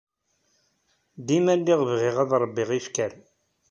Dima lliɣ bɣiɣ ad ṛebbiɣ ifker.